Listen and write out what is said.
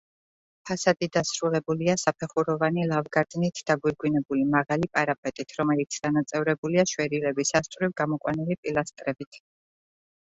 ფასადი დასრულებულია საფეხუროვანი ლავგარდნით დაგვირგვინებული, მაღალი პარაპეტით, რომელიც დანაწევრებულია შვერილების ასწვრივ გამოყვანილი პილასტრებით.